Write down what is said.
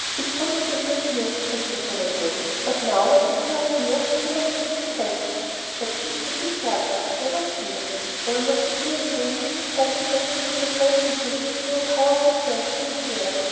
"It would not interfere, Christopher my boy. But now that you are here, you must make the test. Jakey will be cared for, never fear." Almost as in a dream, Chris felt an atmosphere drenching him as though a powerful scent filled the air.